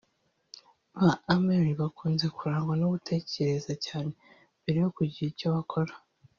Ba Amelie bakunze kurangwa no gutekereza cyane mbere yo kugira icyo bakora